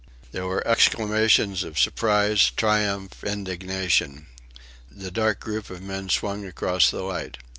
There were exclamations of surprise, triumph, indignation. The dark group of men swung across the light.